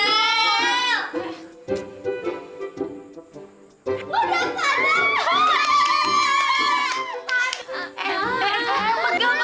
sudah tak ada